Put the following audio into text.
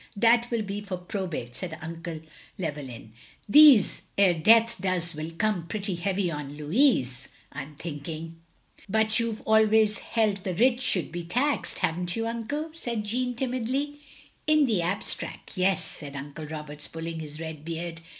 " "That will be for probate," said Uncle Llewel Ijm. "These 'ere death doos will come pretty heavy on Louis, I'm thinking. "" But you 've always held the rich should be taxed, have n't you. Uncle? " said Jeanne, timidly. "In the abstrack, — ^yes" — said Uncle Roberts pulling his red beard.